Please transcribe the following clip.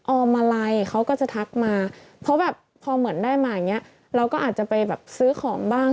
อมอะไรเขาก็จะทักมาเพราะแบบพอเหมือนได้มาอย่างเงี้ยเราก็อาจจะไปแบบซื้อของบ้าง